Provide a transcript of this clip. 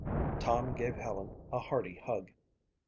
Tom gave Helen a hearty hug.